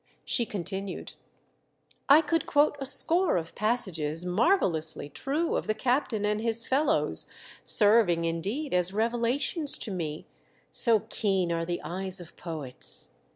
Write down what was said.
She continued —" I could quote a score of passages mar vellously true of the captain and his fellows, serving indeed as revelations to me, so keen are the eyes of poets.